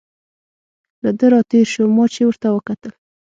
له ده را تېر شو، ما چې ورته وکتل.